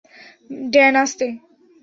Dan, আস্তে!